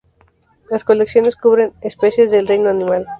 Las colecciones cubren especies del reino animal.